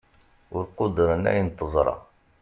ur quddren ayen teẓṛa